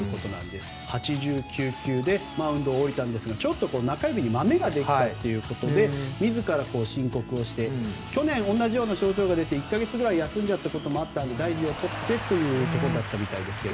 ８９球でマウンドを降りたんですが中日にマメができたということで自ら申告をして去年、同じような症状で１か月くらい休んじゃったこともあったので大事をとってということだったようですけど。